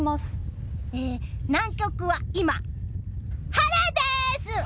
南極は今、晴れです！